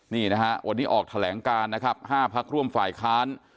นี่นะฮะวันนี้ออกแถลงการนะครับ๕พักร่วมฝ่ายค้าน